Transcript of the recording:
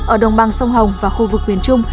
ở đồng bằng sông hồng và khu vực miền trung